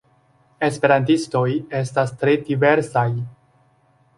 Esperantistoj estas tre diversaj.